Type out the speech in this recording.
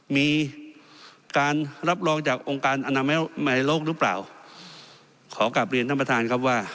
มีการรับรองจากองค์การอนามัยในโลกหรือเปล่าขอกลับเรียนท่านประธานครับว่า